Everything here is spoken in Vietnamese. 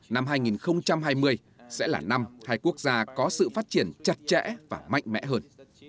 năm hai nghìn hai mươi sẽ là năm hai quốc gia có sự phát triển chặt chẽ và mạnh mẽ hơn